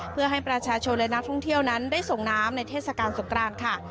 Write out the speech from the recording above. เพื่อให้ประชาชนและนักท่องเที่ยวนั้นได้ส่งน้ำในเทศกาลสงกรานค่ะ